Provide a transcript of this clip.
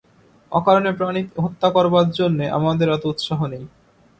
অকারণে প্রাণিহত্যা করবার জন্যে আমাদের এত উৎসাহ নেই।